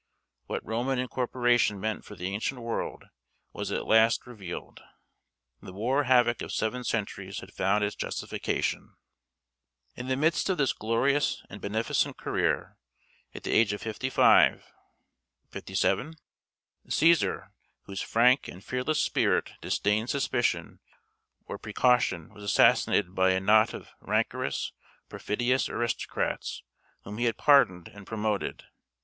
What Roman incorporation meant for the ancient world was at last revealed. The war havoc of seven centuries had found its justification. [Illustration: The Ides of March.] In the midst of this glorious and beneficent career, at the age of fifty five (57?), Cæsar, whose frank and fearless spirit disdained suspicion or precaution, was assassinated by a knot of rancorous, perfidious aristocrats, whom he had pardoned and promoted.